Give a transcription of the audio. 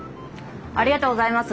ありがとうございます。